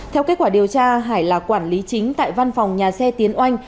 theo kết quả điều tra hải là quản lý chính tại văn phòng nhà xe tiến oanh